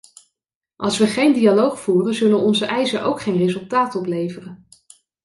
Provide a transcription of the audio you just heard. Als we geen dialoog voeren zullen onze eisen ook geen resultaat opleveren.